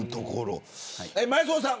前園さん